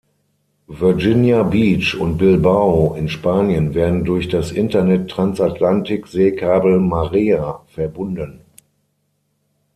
Virginia Beach und Bilbao in Spanien werden durch das Internet-Transatlantik-Seekabel Marea verbunden.